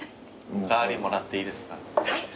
お代わりもらっていいですか？